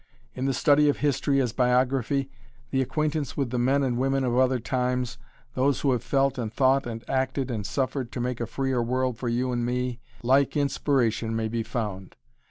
In the study of history as biography, the acquaintance with the men and women of other times, those who have felt and thought and acted and suffered to make a freer world for you and me, like inspiration may be found.